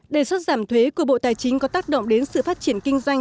đề xuất giảm thuế của bộ tài chính có tác động đến sự phát triển kinh doanh